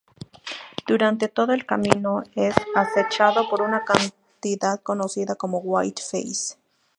Durante todo el camino, es acechado por una entidad conocida como White Face.